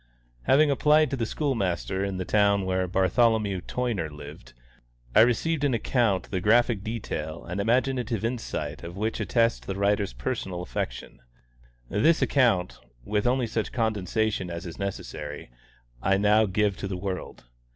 Having applied to the school master in the town where Bartholomew Toyner lived, I received an account the graphic detail and imaginative insight of which attest the writer's personal affection. This account, with only such condensation as is necessary, I now give to the world.